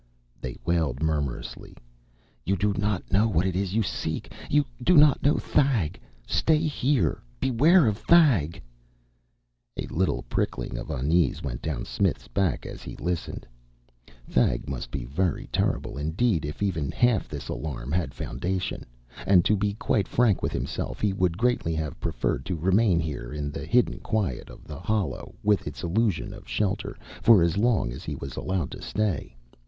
they wailed murmurously. "You do not know what it is you seek! You do not know Thag! Stay here! Beware of Thag!" A little prickling of unease went down Smith's back as he listened. Thag must be very terrible indeed if even half this alarm had foundation. And to be quite frank with himself, he would greatly have preferred to remain here in the hidden quiet of the hollow, with its illusion of shelter, for as long as he was allowed to stay.